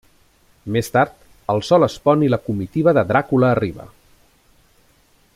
Més tard, el sol es pon i la comitiva de Dràcula arriba.